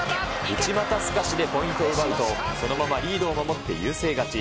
内股すかしでポイントを奪うと、そのままリードを守って優勢勝ち。